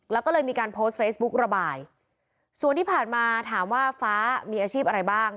แล้วก็เลยมีการโพสต์เฟซบุ๊กระบายส่วนที่ผ่านมาถามว่าฟ้ามีอาชีพอะไรบ้าง